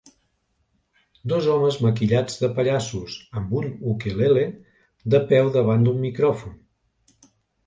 Dos homes maquillats de pallassos, un amb un ukulele, de peu davant d'un micròfon.